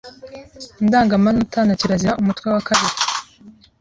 indangamanota na kirazira. Umutwe wa kabiri